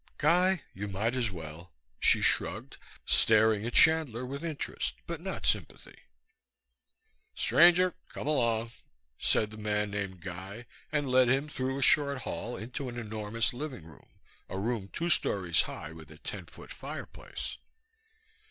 "Guy, you might as well," she shrugged, staring at Chandler with interest but not sympathy. "Stranger, come along," said the man named Guy, and led him through a short hall into an enormous living room, a room two stories high with a ten foot fireplace.